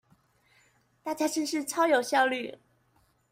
大家真是超有效率